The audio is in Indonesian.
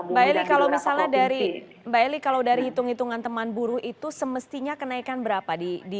mbak eli kalau misalnya dari hitung hitungan teman buruh itu semestinya kenaikan berapa